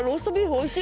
おいしい。